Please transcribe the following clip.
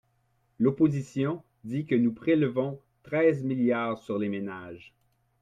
L’opposition dit que nous prélevons treize milliards sur les ménages.